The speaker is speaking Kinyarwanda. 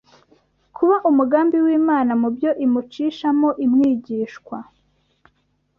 kuba umugambi w’Imana mu byo imucishamo imwigishwa